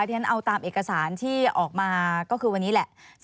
ที่ฉันเอาตามเอกสารที่ออกมาก็คือวันนี้แหละ